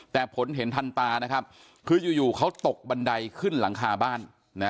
แต่ผลเห็นทันตานะครับคืออยู่เขาตกบันไดขึ้นหลังคาบ้าน